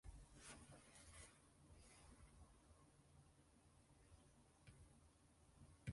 現在を単に瞬間的として連続的直線の一点と考えるならば、現在というものはなく、従ってまた時というものはない。